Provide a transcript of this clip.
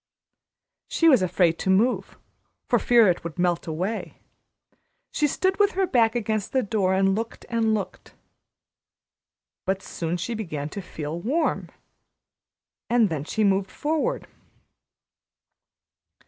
She was afraid to move, for fear it would melt away. She stood with her back against the door and looked and looked. But soon she began to feel warm, and then she moved forward.